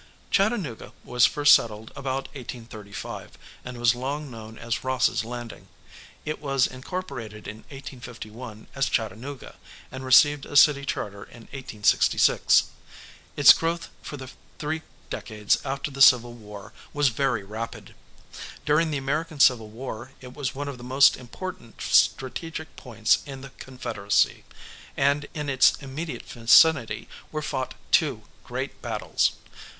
Chattanooga was first settled about 1835, and was long known as Ross's Landing. It was incorporated in 1851 as Chattanooga, and received a city charter in 1866. Its growth for the three decades after the Civil War was very rapid. During the American Civil War it was one of the most important strategic points in the Confederacy, and in its immediate vicinity were fought two great battles.